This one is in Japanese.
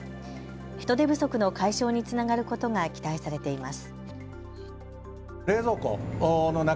人手不足の解消につながることが期待されています。